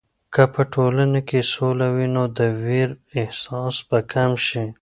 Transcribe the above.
که په ټولنه کې سوله وي، نو د ویر احساس به کم شي.